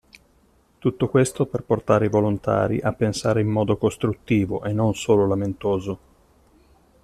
Tutto questo per portare i volontari a pensare in modo costruttivo e non solo lamentoso.